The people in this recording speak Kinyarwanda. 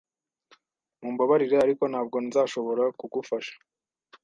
Mumbabarire, ariko ntabwo nzashobora kugufasha.